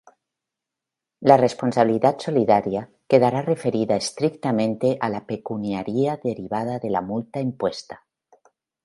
La responsabilidad solidaria quedará referida estrictamente a la pecuniaria derivada de la multa impuesta.